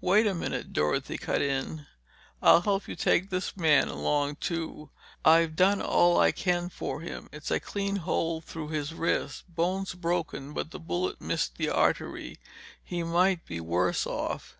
"Wait a minute!" Dorothy cut in. "I'll help you take this man along, too. I've done all I can for him. It's a clean hole through his wrist. Bone's broken but the bullet missed the artery. He might be worse off."